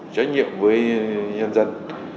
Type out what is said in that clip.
trách nhiệm với nhân dân